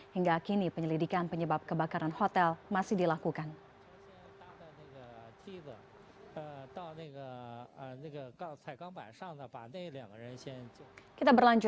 hingga kini penyelidikan penyebab kebakaran hotel masih dilakukan